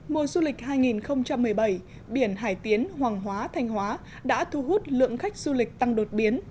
mùa du lịch hai nghìn một mươi bảy biển hải tiến hoàng hóa thanh hóa đã thu hút lượng khách du lịch tăng đột biến